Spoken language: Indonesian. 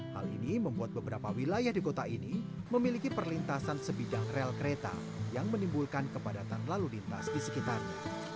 hal ini membuat beberapa wilayah di kota ini memiliki perlintasan sebidang rel kereta yang menimbulkan kepadatan lalu lintas di sekitarnya